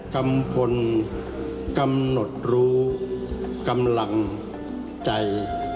กัมพลกำหนดรู้กำลังใจ